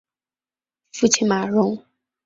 父亲马荣。